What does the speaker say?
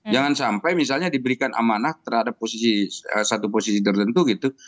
jangan sampai misalnya diberikan amanah terhadap satu posisi tertentu gitu